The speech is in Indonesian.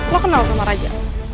lo kenal sama raja